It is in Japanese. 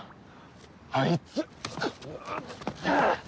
あいつ！